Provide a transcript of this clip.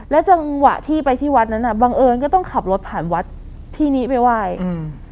จังหวะที่ไปที่วัดนั้นอ่ะบังเอิญก็ต้องขับรถผ่านวัดที่นี้ไปไหว้อืม